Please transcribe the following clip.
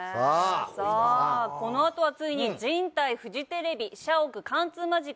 この後はついに人体フジテレビ社屋貫通マジック。